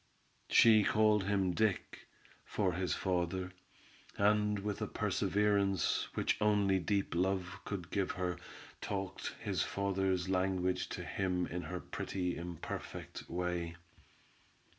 She called him Dick, for his father, and with a perseverance which only deep love could give her, talked his father's language to him in her pretty, imperfect way.